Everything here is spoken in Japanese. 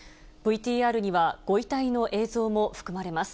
ＶＴＲにはご遺体の映像も含まれます。